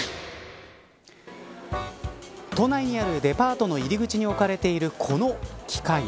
都内にあるデパートの入り口に置かれているこの機械。